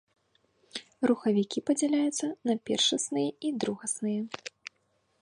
Рухавікі падзяляюць на першасныя і другасныя.